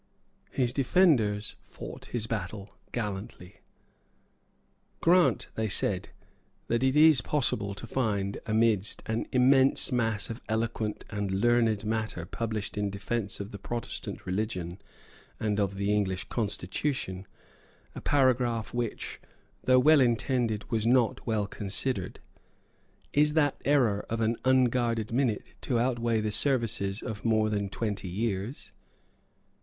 His defenders fought his battle gallantly. "Grant," they said, "that it is possible to find, amidst an immense mass of eloquent and learned matter published in defence of the Protestant religion and of the English Constitution, a paragraph which, though well intended, was not well considered, is that error of an unguarded minute to outweigh the services of more than twenty years?